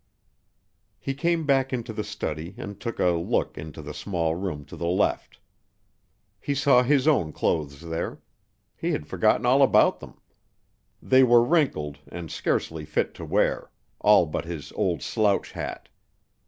He came back into the study and took a look into the small room to the left. He saw his own clothes there. He had forgotten all about them. They were wrinkled and scarcely fit to wear all but his old slouch hat.